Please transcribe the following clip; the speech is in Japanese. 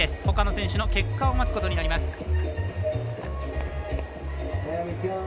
ほかの選手の結果を待つことになります。